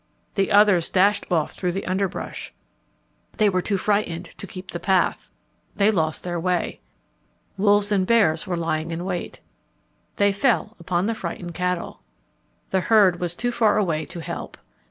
The others dashed off through the underbrush. They were too frightened to keep the path. They lost their way. Wolves and bears were lying in wait. They fell upon the frightened cattle. The herd was too far away to help.